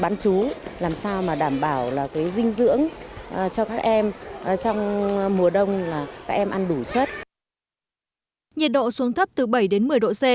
nhiệt độ xuống thấp từ bảy đến một mươi độ c